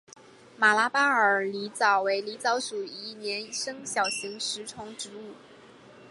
马拉巴尔狸藻为狸藻属一年生小型食虫植物。